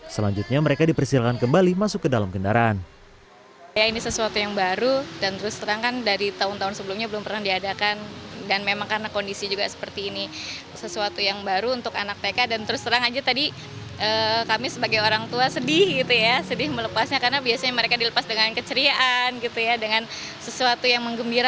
selanjutnya mereka dipersilakan kembali masuk ke dalam kendaraan